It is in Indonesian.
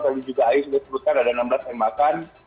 tadi juga ayu sudah sebutkan ada enam belas tembakan